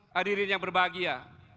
hadirin yang berbahagia